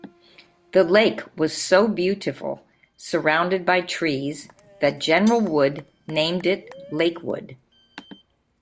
The lake was so beautiful surrounded by trees that General Wood named it Lakewood.